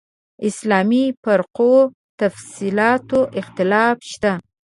اسلامي فرقو تفصیلاتو اختلاف شته.